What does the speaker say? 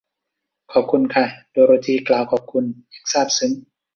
ขอบคุณค่ะ โดโรธี กล่าวขอบคุณ อย่างซาบซึ้ง